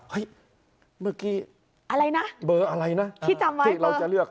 เมื่อกี้อะไรนะเบอร์อะไรนะที่จำไว้ที่เราจะเลือก